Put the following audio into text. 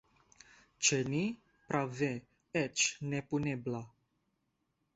Ĉe ni, prave, eĉ ne punebla.